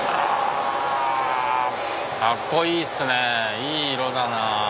カッコいいっすねいい色だな。